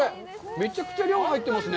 めちゃくちゃ量が入ってますね！